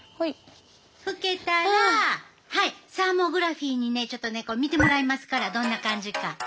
拭けたらサーモグラフィーにねちょっと見てもらいますからどんな感じか。